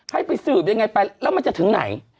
ให้ไปสืบยังไงไปแล้วมันจะถึงไหน